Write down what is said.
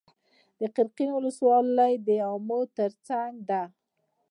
د قرقین ولسوالۍ د امو تر څنګ ده